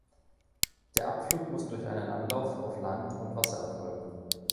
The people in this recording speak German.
Der Abflug muss durch einen Anlauf auf Land und Wasser erfolgen.